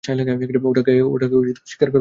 ওটাকে শিকার করবো আমরা।